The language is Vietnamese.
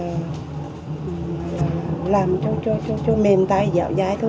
làm cho mềm tay dạo dai thôi